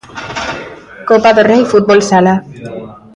Copa do Rei fútbol sala.